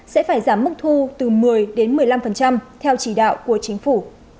sẽ phải giảm mức thu từ một mươi đến một mươi năm theo chỉ đạo của chính phủ